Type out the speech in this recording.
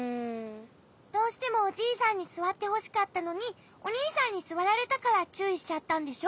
どうしてもおじいさんにすわってほしかったのにおにいさんにすわられたからちゅういしちゃったんでしょ？